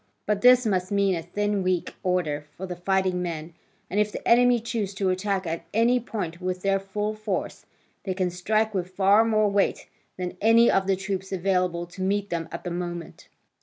But this must mean a thin weak order for the fighting men, and if the enemy choose to attack at any point with their full force, they can strike with far more weight than any of the troops available to meet them at the moment.